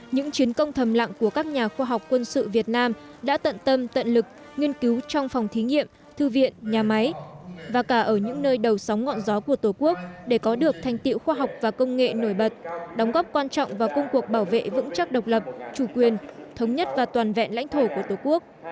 những chiến công thầm lặng của các nhà khoa học quân sự việt nam đã tận tâm tận lực nghiên cứu trong phòng thí nghiệm thư viện nhà máy và cả ở những nơi đầu sóng ngọn gió của tổ quốc để có được thành tiệu khoa học và công nghệ nổi bật đóng góp quan trọng vào công cuộc bảo vệ vững chắc độc lập chủ quyền thống nhất và toàn vẹn lãnh thổ của tổ quốc